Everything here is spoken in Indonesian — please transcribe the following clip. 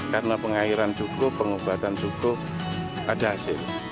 karena pengairan cukup pengobatan cukup ada hasil